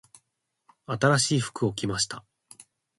新しい服を着ました。